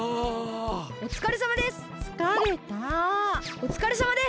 おつかれさまです！